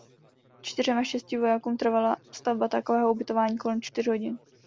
Čtyřem až šesti vojákům trvala stavba takového ubytování kolem čtyř hodin.